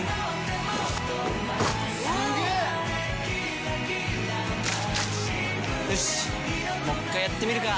すげー‼よしっもう一回やってみるか！